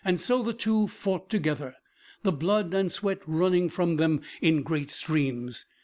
So the two fought together, the blood and sweat running from them in great streams.